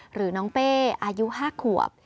หรือน้องเป้อายุ๕ขวบ